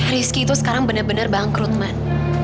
rizky itu sekarang benar benar bangkrut man